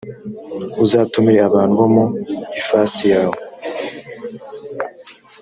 uzatumire abantu bo mu ifasi yawe